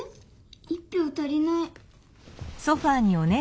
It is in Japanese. １ぴょう足りない。